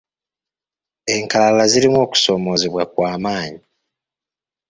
Enkala zirimu okusoomoozebwa kwa maanyi.